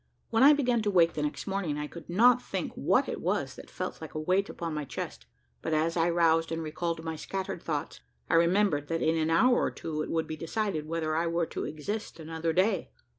When I began to wake the next morning, I could not think what it was that felt like a weight upon my chest, but as I roused and recalled my scattered thoughts, I remembered that in an hour or two it would be decided whether I were to exist another day.